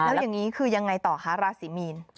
แล้วอย่างนี้คือยังไงต่อคะราศีมีน